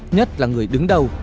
nhất là người đứng đầu